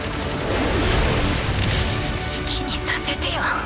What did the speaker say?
好きにさせてよ。